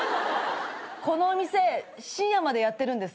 このお店深夜までやってるんです。